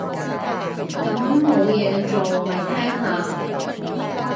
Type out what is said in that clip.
咁冇嘢做，咪聽下